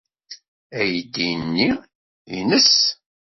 Aydi-nni nnes.